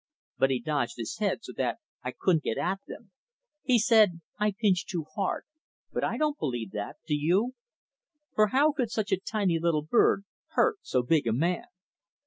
But he dodged his head so that I couldn't get at them. He said I pinched too hard, but I don't believe that, do you? For how could such a tiny little bird hurt so big a man?